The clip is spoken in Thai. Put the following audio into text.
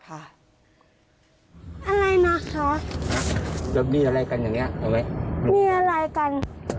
อะไรนะคะมีอะไรกัน